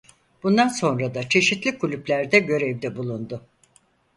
Bundan sonra da çeşitli kulüplerde görevde bulundu.